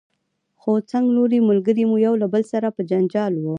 خو څنګلوري ملګري مو یو له بل سره په جنجال وو.